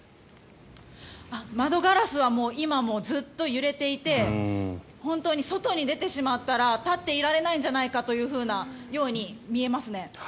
窓ガラスは今もずっと揺れていて本当に外に出てしまったら立っていられないんじゃないかというように見えますね。